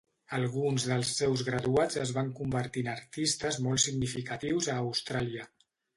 Alguns dels seus graduats es van convertir en artistes molt significatius a Austràlia.